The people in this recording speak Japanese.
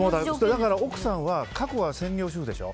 奥さんは過去は専業主婦でしょ。